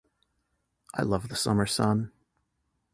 I love the summer sun.